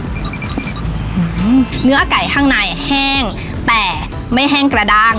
อืมเนื้อไก่ข้างในแห้งแต่ไม่แห้งกระด้าง